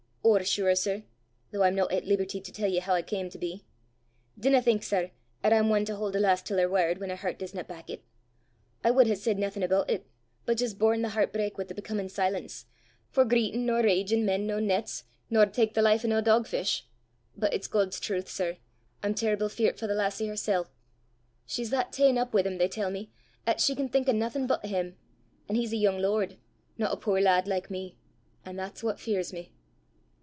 "Ower sure, sir, though I'm no at leeberty to tell ye hoo I cam to be. Dinna think, sir, 'at I'm ane to haud a lass til her word whan her hert disna back it; I wud hae said naething aboot it, but jist borne the hert brak wi' the becomin' silence, for greitin' nor ragin' men' no nets, nor tak the life o' nae dogfish. But it's God's trowth, sir, I'm terrible feart for the lassie hersel'. She's that ta'en up wi' him, they tell me, 'at she can think o' naething but him; an' he's a yoong lord, no a puir lad like me an' that's what fears me!"